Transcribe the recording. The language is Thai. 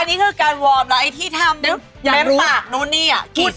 อันนี้คือการวอร์มแล้วไอ้ที่ทำเต็มปากนู่นนี่อ่ะ